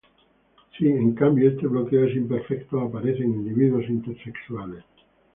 Si, en cambio, este bloqueo es imperfecto, aparecen individuos intersexuales.